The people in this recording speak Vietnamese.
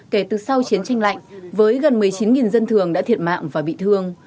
kể từ sau chiến tranh lạnh với gần một mươi chín dân thường đã thiệt mạng và bị thương